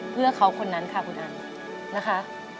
เพื่อเขาคนนั้นค่ะคุณอานะคะ